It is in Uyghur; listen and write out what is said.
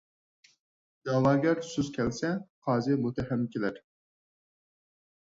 دەۋاگەر سۇس كەلسە، قازى مۇتتەھەم كىلەر.